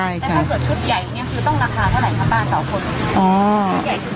ก็ถ้าเกิดชุดใหญ่อยู่เนี่ยคือต้องราคาเท่าไหร่คะป๊า๒คน